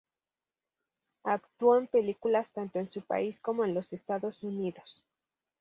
Actuó en películas tanto en su país como en los Estados Unidos.